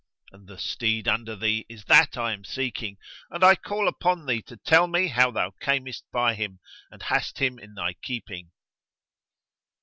And the steed under thee is that I am seeking; and I call upon thee to tell me how thou camest by him and hast him in thy keeping."